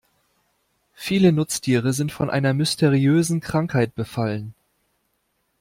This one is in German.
Viele Nutztiere sind von einer mysteriösen Krankheit befallen.